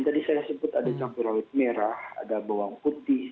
tadi saya sebut ada campur rawit merah ada bawang putih